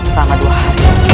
selama dua hari